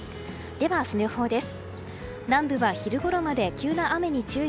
では明日の予報です。